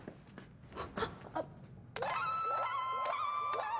あっ。